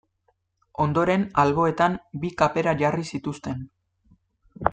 Ondoren, alboetan, bi kapera jarri zituzten.